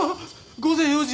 午前４時！